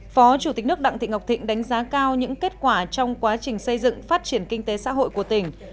phó chủ tịch nước đặng thị ngọc thịnh đánh giá cao những kết quả trong quá trình xây dựng phát triển kinh tế xã hội của tỉnh